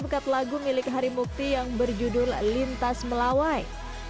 begitu lagi bekerja lagu milik hari mukti yang berjudul lintas melawai